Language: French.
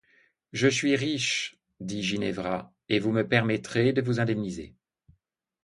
Je suis riche, dit Ginevra, et vous me permettrez de vous indemniser…